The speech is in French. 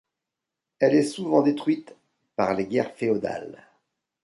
Elle est souvent détruite par les guerres féodales.